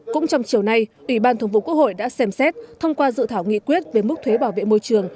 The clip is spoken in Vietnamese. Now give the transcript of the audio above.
cũng trong chiều nay ủy ban thường vụ quốc hội đã xem xét thông qua dự thảo nghị quyết về mức thuế bảo vệ môi trường